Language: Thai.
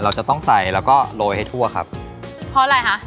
เราจะต้องใส่แล้วก็โรยให้ทั่วครับเพราะอะไรคะ